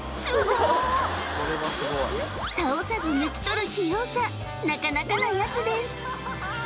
倒さず抜き取る器用さなかなかなやつです